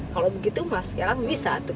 kalo begitu mas ya lah bisa tuh